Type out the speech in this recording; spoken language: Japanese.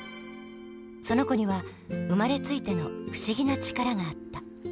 その子には生まれついての不思議な力があった。